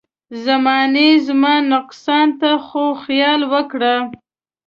زمانې زما نقصان ته خو خيال وکړه.